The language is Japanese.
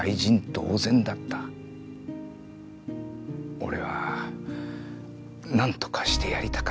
俺はなんとかしてやりたかった。